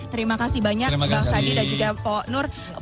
terima kasih banyak pak sandiwaga uno dan juga pak nur uno